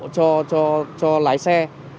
cho lái xe